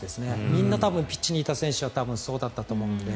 みんなピッチにいた選手は多分、そうだったと思うので。